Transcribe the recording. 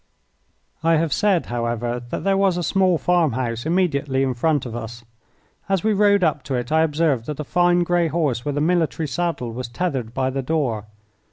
I have said, however, that there was a small farm house immediately in front of us. As we rode up to it I observed that a fine grey horse with a military saddle was tethered by the door.